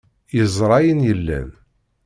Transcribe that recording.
Yeẓra ayen yellan.